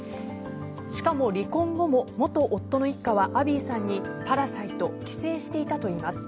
しかも、離婚後も元夫の一家はアビーさんにパラサイト寄生していたといいます。